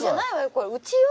これうちよ。